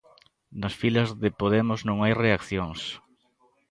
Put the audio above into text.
Nas filas de Podemos non hai reaccións.